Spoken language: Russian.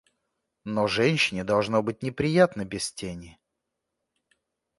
Но женщине должно быть неприятно без тени.